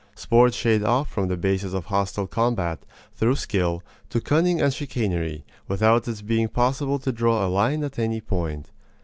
Sports shade off from the basis of hostile combat, through skill, to cunning and chicanery, without its being possible to draw a line at any point.